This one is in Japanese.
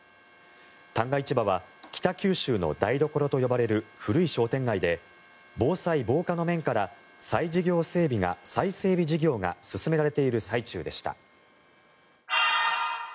旦過市場は北九州の台所と呼ばれる古い商店街で防災・防火の面から再整備事業が進められている最中でした。